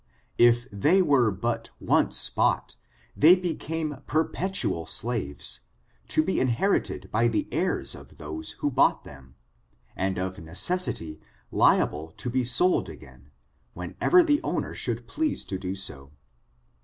If they were but once bought, they became per petual slaves, to be inherited by the heirs of those who bought them, and of necessity liable to be sold again, whenever the owner should please to do so.